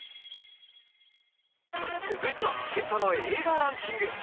続いては、今朝の映画ランキング。